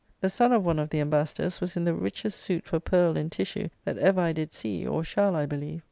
The son of one of the Embassadors was in the richest suit for pearl and tissue, that ever I did see, or shall, I believe.